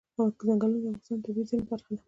ځنګلونه د افغانستان د طبیعي زیرمو برخه ده.